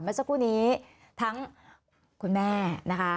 เมื่อสักครู่นี้ทั้งคุณแม่นะคะ